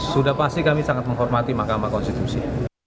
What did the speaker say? sudah pasti kami sangat menghormati mahkamah konstitusi